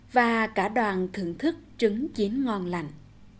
và cả đoàn thưởng thức trứng chín ngon lành